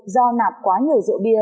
do nạp quá nhiều rượu bia